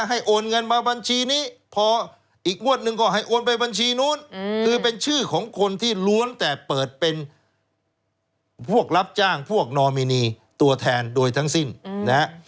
โอนเงินมาบัญชีนี้พออีกงวดหนึ่งก็ให้โอนไปบัญชีนู้นคือเป็นชื่อของคนที่ล้วนแต่เปิดเป็นพวกรับจ้างพวกนอมินีตัวแทนโดยทั้งสิ้นนะฮะ